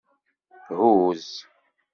Huzz.